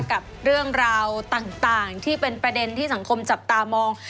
กับเรื่องราวต่างที่เป็นประเด็นที่สังคมจับตามอง